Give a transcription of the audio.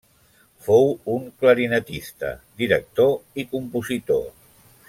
Fou un clarinetista, director i compositor.